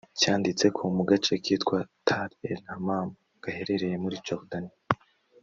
cyanditse ko mu gace kitwa Tall el-Hamaam gaherereye muri Jordanie